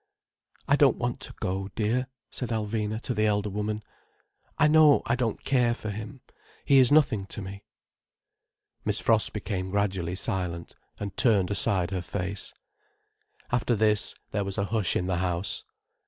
"I don't want to go, dear," said Alvina to the elder woman. "I know I don't care for him. He is nothing to me." Miss Frost became gradually silent, and turned aside her face. After this there was a hush in the house.